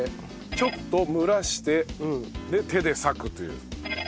ちょっと蒸らして手で裂くという。